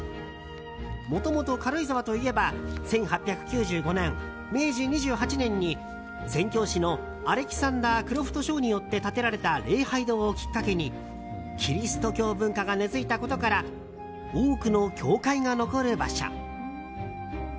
もともと軽井沢といえば１８９５年、明治２８年に宣教師のアレキサンダー・クロフト・ショーによって建てられた礼拝堂をきっかけにキリスト教文化が根付いたことから多くの教会が残る場所。